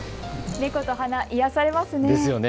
猫と花、癒やされますね。